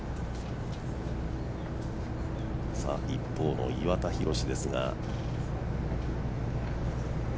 一方の岩田寛ですが。